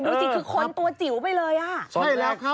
ดูสิคือคนตัวจิ๋วไปเลย